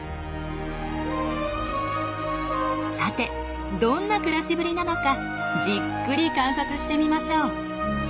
さてどんな暮らしぶりなのかじっくり観察してみましょう。